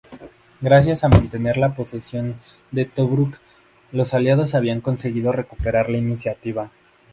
Gracias a mantener la posesión de Tobruk, los Aliados habían conseguido recuperar la iniciativa.